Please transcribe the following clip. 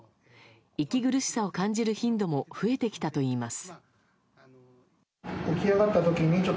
息苦しさを感じる頻度も増えてきたといいます。